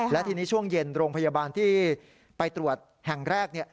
และทีนี้ช่วงเย็นโรงพยาบาลที่ไปตรวจแห่งแรก